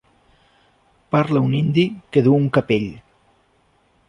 Parla un indi que duu un capell